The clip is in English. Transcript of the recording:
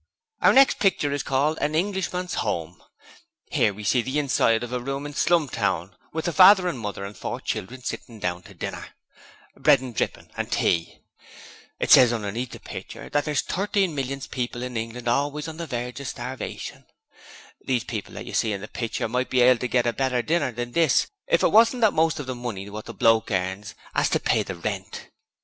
'Our next picture is called "An Englishman's Home". 'Ere we see the inside of another room in Slumtown, with the father and mother and four children sitting down to dinner bread and drippin' and tea. It ses underneath the pitcher that there's Thirteen millions of people in England always on the verge of starvation. These people that you see in the pitcher might be able to get a better dinner than this if it wasn't that most of the money wot the bloke earns 'as to pay the rent.